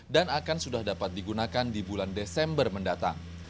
dan akan sudah dapat digunakan di bulan desember mendatang